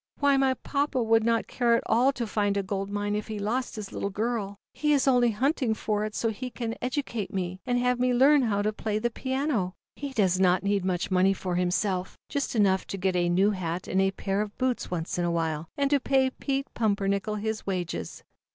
Why, my papa would not care at all to find a ZAUBERLINDA, THE WISE WITCH. 149 gold mine, if he lost his little girl. He is only hunting for it so that he can educate me, and have me learn how to play the piano. He does not need much money for himself, just enough to get a new hat and a pair of boots once in a while and to pay Pete Pumper nickel his wages."